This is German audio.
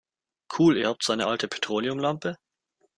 Cool, ihr habt so eine alte Petroleumlampe?